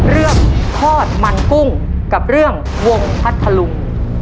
เรื่องทอดมันกุ้งกับเรื่องวงพัทธลุง